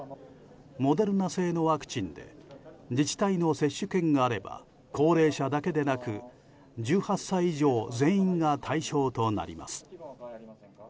モデルナ製のワクチンで自治体の接種券があれば高齢者だけでなく１８歳以上全員が対象となります。